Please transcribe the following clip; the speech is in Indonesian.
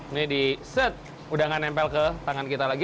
ini diset sudah tidak menempel ke tangan kita lagi